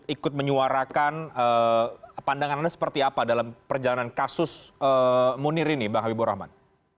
ikut menyuarakan pandangan anda seperti apa dalam perjalanan kasus munir ini bang habibur rahman